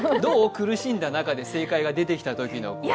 苦しんだ中で正解が出てきたときは。